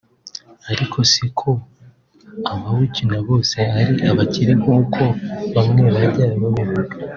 ariko siko abawukina bose ari abakire nk’uko bamwe bajya babivuga